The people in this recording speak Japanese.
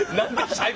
最後。